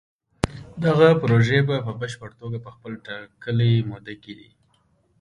دغه پروژې به په پشپړه توګه په خپله ټاکلې موده کې